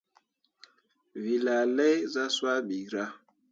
Wǝ laa lai zah swaa ɓirah.